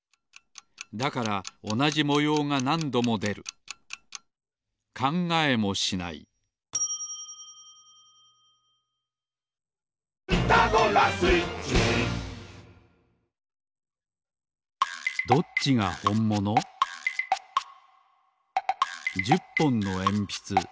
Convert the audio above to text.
だからおなじもようがなんどもでる１０ぽんのえんぴつ。